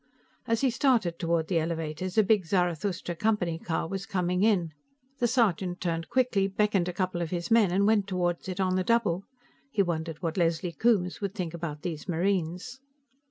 As he started toward the elevators, a big Zarathustra Company car was coming in. The sergeant turned quickly, beckoned a couple of his men and went toward it on the double. He wondered what Leslie Coombes would think about those Marines.